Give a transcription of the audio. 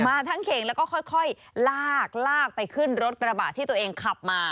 ทั้งเข่งแล้วก็ค่อยลากลากไปขึ้นรถกระบะที่ตัวเองขับมา